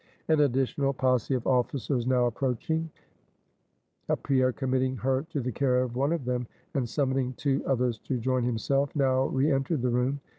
An additional posse of officers now approaching, Pierre committing her to the care of one of them, and summoning two others to join himself, now re entered the room.